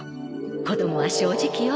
子供は正直よ。